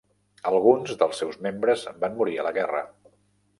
Alguns dels seus membres van morir a la guerra.